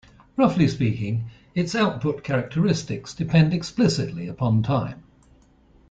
Roughly speaking, its output characteristics depend explicitly upon time.